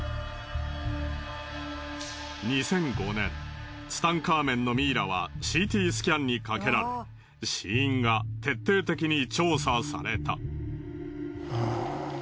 ２００５年ツタンカーメンのミイラはＣＴスキャンにかけられ死因が徹底的に調査された。